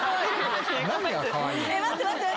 待って待って。